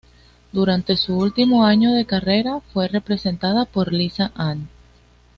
Durante su último año de carrera fue representada por Lisa Ann.